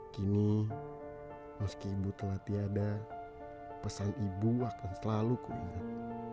kini meski ibu telah tiada pesan ibu akan selalu kuingat